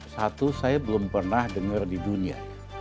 satu saya belum pernah dengar di dunia